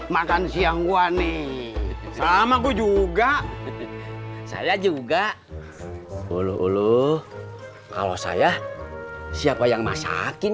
makan siang gue nih sama gue juga saya juga ulu ulu kalau saya siapa yang masakin